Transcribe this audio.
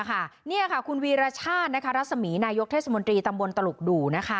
นี่ค่ะคุณวีรชาติรัศมีนายกเทศมนตรีตำบลตลุกดู่